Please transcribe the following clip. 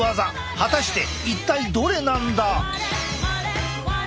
果たして一体どれなんだ？